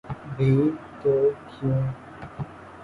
بھی تو کیوں؟